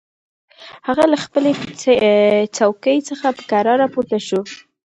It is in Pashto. هغه له خپلې څوکۍ څخه په کراره پورته شوه.